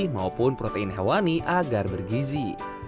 maupun protein hewani agar bergizi